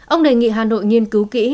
ông đề nghị hà nội nghiên cứu kỹ